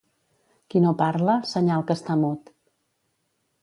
Qui no parla, senyal que està mut.